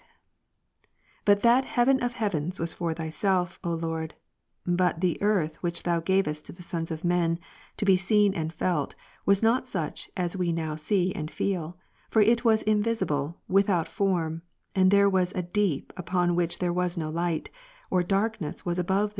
] 8. But that heaven o/ heavens ivas for Thyself, ^^' O Lord; but the earth which Thou gavest to the sons of men, to be seen and felt, was not such as we now see and feel. For it was invisible, without form, and there was a deep, upon which there was no light ; or, darkness ivas above the deep, e i. e. niig'ht one sprak of a tliiiitc. above, b.